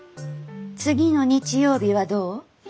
次の日曜日はどう？